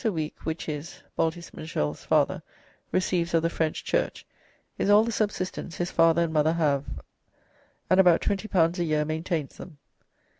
a week which his (Balty St. Michel's) father receives of the French church is all the subsistence his father and mother have, and about; L20 a year maintains them."